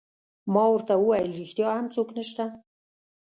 ما ورته وویل: ریښتیا هم څوک نشته؟